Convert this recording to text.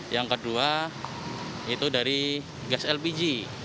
yang kedua itu dari gas lpg